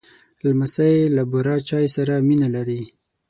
لمسی له بوره چای سره مینه لري.